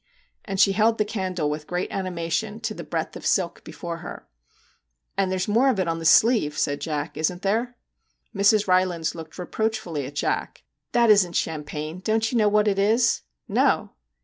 and she held the candle with great animation to the breadth of silk before her. 'And there's more of it on the sleeve/ said Jack' isn't there ?' Mrs. Rylands looked reproachfully at Jack. ' That isn't champagne don't you know what it is ?' 'No!'